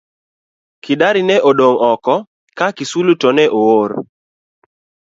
Kidari ne odong' oko ka Kisuli to ne oor.